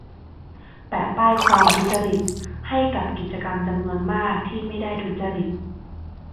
แปะป้ายความ ทุจริต ให้กับกิจกรรมจำนวนมากที่ไม่ได้ทุจริต